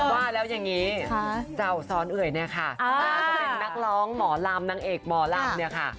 ว่าแล้วอย่างนี้เจ้าซ้อนเอ่ยเป็นนักร้องหมอลำนางเอกหมอลำ